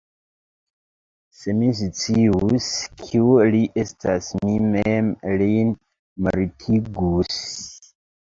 Se mi scius, kiu li estas, mi mem lin mortigus!